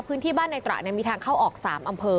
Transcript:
พื้นที่บ้านในตระมีทางเข้าออก๓อำเภอ